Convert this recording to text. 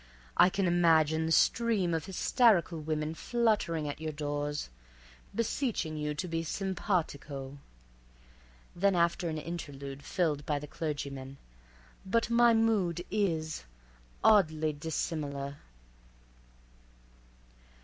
I can imagine the stream of hysterical women fluttering at your doors, beseeching you to be simpatico"—then after an interlude filled by the clergyman—"but my mood—is—oddly dissimilar."